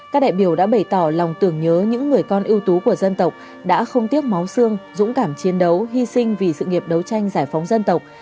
các đại biểu đã bày tỏ lòng tưởng nhớ những người con ưu tú của dân tộc đã không tiếc máu xương dũng cảm chiến đấu hy sinh vì sự nghiệp đấu tranh giải phóng dân tộc